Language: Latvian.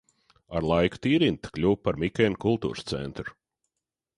Ar laiku Tīrinta kļuva par Mikēnu kultūras centru.